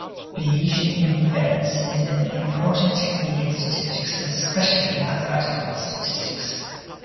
Bayesian inference is an important technique in statistics, and especially in mathematical statistics.